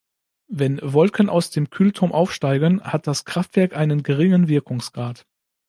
Wenn Wolken aus dem Kühlturm aufsteigen, hat das Kraftwerk einen geringen Wirkungsgrad.